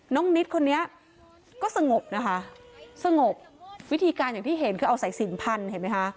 นิดคนนี้ก็สงบนะคะสงบวิธีการอย่างที่เห็นคือเอาสายสินพันเห็นไหมคะ